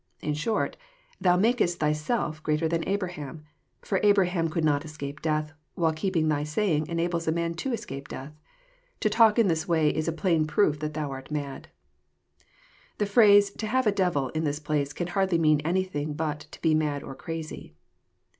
In short, Thon makest Thyself greater than Abraham, for Abraham could not escape death, while keeping Thy saying enables a man to escape death. To talk in this way is a plain proof that thou art mad.' »f The phrase *^ to have a devil/' in this place can hardly mean anything but to be mad or crazy."